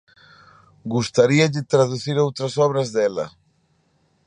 Gustaríalle traducir outras obras dela?